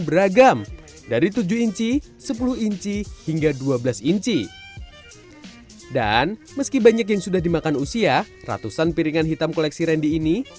beragam dari tujuh inci sepuluh inci hingga dua belas inci dan meski banyak yang sudah dimakan usia ratusan piringan hitam koleksi randy ini